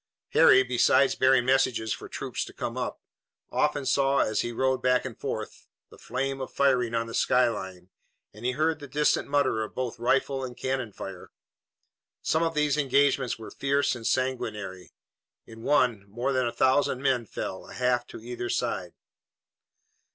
Harry, besides bearing messages for troops to come up, often saw, as he rode back and forth, the flame of firing on the skyline, and he heard the distant mutter of both rifle and cannon fire. Some of these engagements were fierce and sanguinary. In one, more than a thousand men fell, a half to either side.